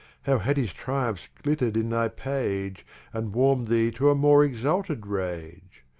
How had his Triumphs glitter'd in thy Page, And warm'd Thee to a more Exalted Rage!